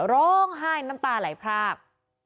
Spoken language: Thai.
ร้องไห้น้ำตาไหลพราก